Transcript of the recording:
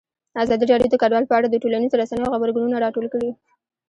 ازادي راډیو د کډوال په اړه د ټولنیزو رسنیو غبرګونونه راټول کړي.